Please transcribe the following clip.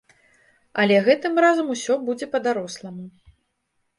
Але гэтым разам усё будзе па-даросламу.